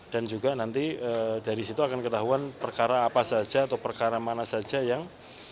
dan juga nanti dari situ akan ketahuan perkara apa saja atau perkara mana saja yang